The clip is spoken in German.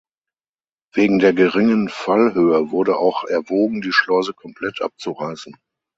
Wegen der geringen Fallhöhe wurde auch erwogen die Schleuse komplett abzureißen.